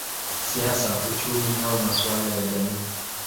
siasa, uchumi au masuala ya jamii.